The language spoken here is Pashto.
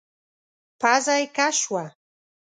پزه يې کش شوه.